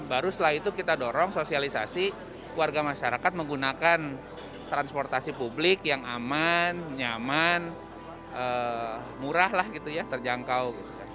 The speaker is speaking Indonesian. baru setelah itu kita dorong sosialisasi warga masyarakat menggunakan transportasi publik yang aman nyaman murah lah gitu ya terjangkau